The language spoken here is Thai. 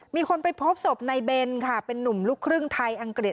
มีคนไปพบศพนายเบนค่ะเป็นนุ่มลูกครึ่งไทยอังกฤษ